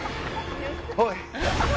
おい！